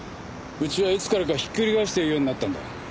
うちはいつからかひっくり返して言うようになったんだ。